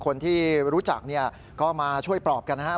คนที่รู้จักเนี่ยก็มาช่วยปลอบกันนะฮะ